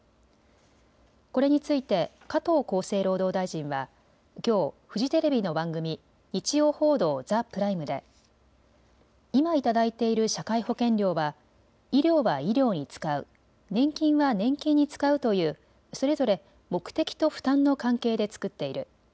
これについて加藤厚生労働大臣はきょう、フジテレビの番組日曜報道ＴＨＥＰＲＩＭＥで今、頂いている社会保険料は医療は医療に使う、年金は年金に使うというそれぞれ目的と負担の関係でつくっている。